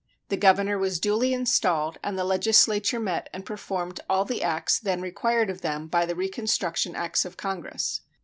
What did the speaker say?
The governor was duly installed, and the legislature met and performed all the acts then required of them by the reconstruction acts of Congress.